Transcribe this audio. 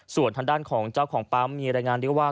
ส่วนทางด้านของเจ้าของปั๊มมีรายงานด้วยว่า